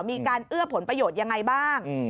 เอื้อผลประโยชน์ยังไงบ้าง